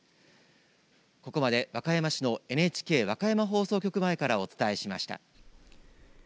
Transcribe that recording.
ここまで和歌山市のＮＨＫ和歌山放送局前からお伝えしました。